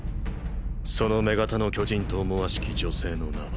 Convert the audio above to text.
その女型の巨人と思わしき女性の名は。